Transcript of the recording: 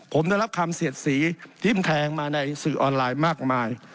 ผมได้รับคำเสียดสีทิ้มแทงมาในสื่อออนไลน์มากมาย